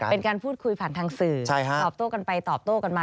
เป็นการพูดคุยผ่านทางสื่อตอบโต้กันไปตอบโต้กันมา